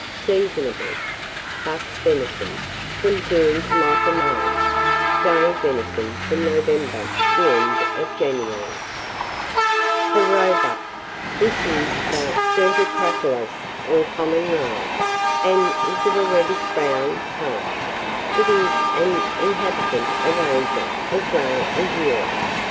Seasonable. Buck venison, from June to Michaelmas; doe venison, from November to the end of January. [Illustration: THE ROEBUCK.] THE ROEBUCK. This is the Certuscapreolus, or common roe, and is of a reddish brown colour. It is an inhabitant of Asia, as well as of Europe.